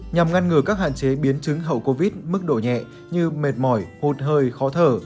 nhằm ngăn ngừa các hạn chế biến chứng hậu covid mức độ nhẹ như mệt mỏi hụt hơi khó thở